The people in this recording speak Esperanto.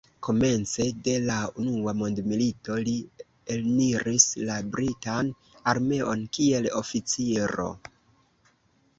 Komence de la unua mondmilito li eniris la britan armeon kiel oficiro.